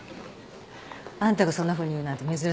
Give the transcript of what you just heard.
あんたがそんなふうに言うなんて珍しいじゃない。